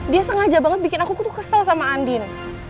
dia sengaja banget bikin aku tuh kesel sama andin